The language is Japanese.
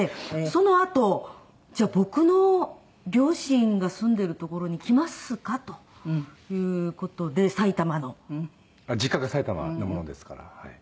そのあと「じゃあ僕の両親が住んでる所に来ますか？」という事で埼玉の。実家が埼玉なものですからはい。